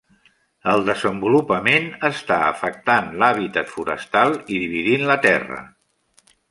El desenvolupament està afectant l'hàbitat forestal i dividint la terra.